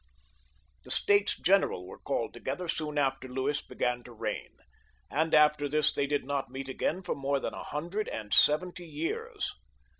The States General were called together soon after Louis began to reign, and after this they did not meet again for more than a hundred and seventy years.